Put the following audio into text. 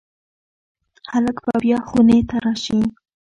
هلک به بیا خونې ته راشي.